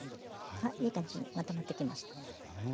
あいい感じにまとまってきました。